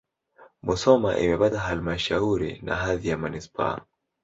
Musoma imepata halmashauri na hadhi ya manisipaa.